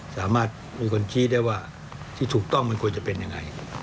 สามารถมีคนชี้ได้ว่าที่ถูกต้องมันควรจะเป็นยังไง